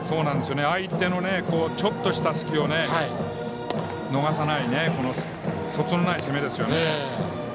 相手のちょっとした隙を逃さない、そつのない攻めですね。